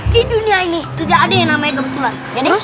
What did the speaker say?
di dunia ini tidak ada yang namanya kebetulan